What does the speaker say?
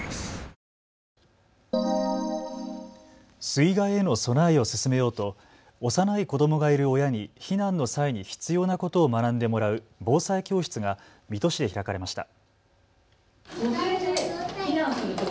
水害への備えを進めようと幼い子どもがいる親に避難の際に必要なことを学んでもらう防災教室が水戸市で開かれました。